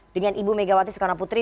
dengan ibu megawati soekarnoputri